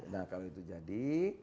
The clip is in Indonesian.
nah kalau itu jadi